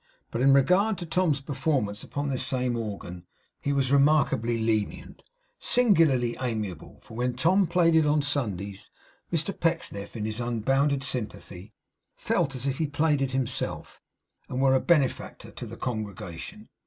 But in regard to Tom's performance upon this same organ, he was remarkably lenient, singularly amiable; for when Tom played it on Sundays, Mr Pecksniff in his unbounded sympathy felt as if he played it himself, and were a benefactor to the congregation.